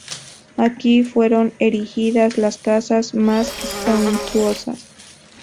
Aquí fueron erigidas las casas más suntuosas.